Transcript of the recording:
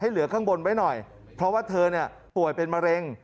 เหลือข้างบนไว้หน่อยเพราะว่าเธอเนี่ยป่วยเป็นมะเร็ง